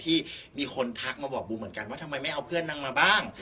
ที่มีคนทักมาบอกบูมเหมือนกันว่าทำไมไม่เอาเพื่อนนางมาบ้าง